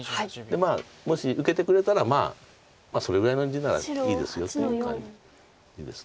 まあもし受けてくれたらそれぐらいの地ならいいですよという感じです。